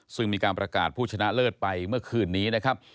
ซึ่งมีการประกาศผู้ชนะเลิศไปเมื่อคืนนี้นะครับ